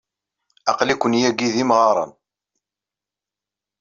Aql-iken yagi d imɣaren.